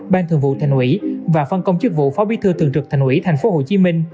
ban thường vụ thành ủy và phân công chức vụ phó bí thư thường trực thành ủy tp hcm